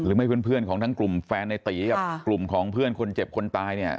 เพื่อนของทั้งกลุ่มแฟนในตีกับกลุ่มของเพื่อนคนเจ็บคนตายเนี่ย